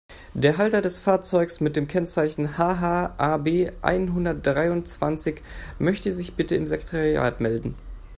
Der Halter des Fahrzeugs mit dem Kennzeichen HH-AB-einhundertdreiundzwanzig möchte sich bitte im Sekretariat melden.